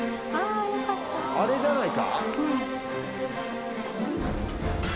あれじゃない？